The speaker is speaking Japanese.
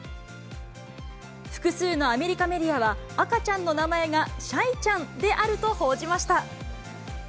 複数のアメリカメディアは、赤ちゃんの名前がシャイちゃんであると報じました。